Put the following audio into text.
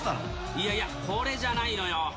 いやいや、これじゃないのよ。